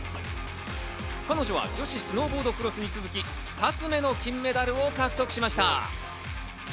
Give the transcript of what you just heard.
彼女は女子スノーボードクロスに続き、２つ目の金メダルを獲得しました。